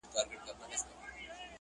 ظالمه یاره سلامي ولاړه ومه؛